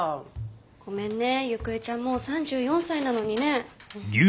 ごめんねゆくえちゃんもう３４歳なのにね。